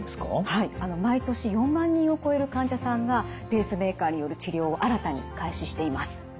はい毎年４万人を超える患者さんがペースメーカーによる治療を新たに開始しています。